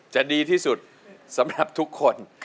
จะดีที่สุดสำหรับทุกคน